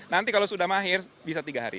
nanti kalau sudah mahir bisa tiga hari